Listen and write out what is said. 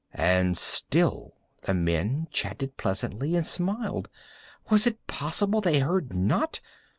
And still the men chatted pleasantly, and smiled. Was it possible they heard not?